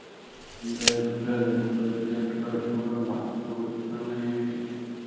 د افکارو د تبادلې پلاټ فورم هلته غښتلی وي.